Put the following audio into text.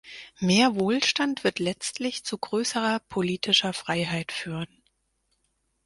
Mehr Wohlstand wird letztlich zu größerer politischer Freiheit führen.